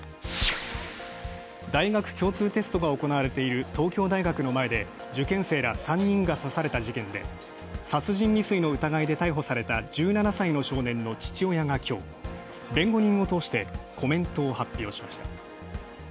大学共通テストが行われている東京大学の前で受験生ら３人が刺された事件で、殺人未遂の疑いで逮捕された１７歳の少年の父親が今日弁護人を通してコメントを発表しました。